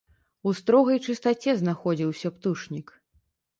У строгай чыстаце знаходзіўся птушнік.